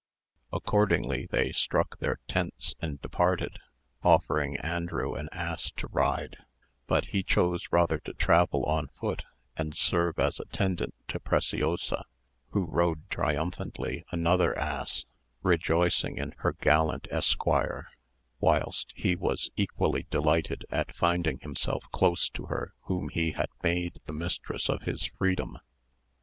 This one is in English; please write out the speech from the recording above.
Accordingly they struck their tents, and departed, offering Andrew an ass to ride; but he chose rather to travel on foot, and serve as attendant to Preciosa, who rode triumphantly another ass, rejoicing in her gallant esquire; whilst he was equally delighted at finding himself close to her whom he had made the mistress of his freedom.